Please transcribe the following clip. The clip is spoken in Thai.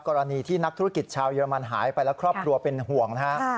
กรณีที่นักธุรกิจชาวเยอรมันหายไปและครอบครัวเป็นห่วงนะฮะ